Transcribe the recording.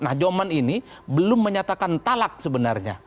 nah joman ini belum menyatakan talak sebenarnya